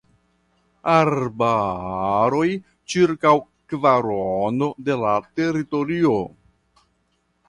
Arbaroj ĉirkaŭ kvarono de la teritorio.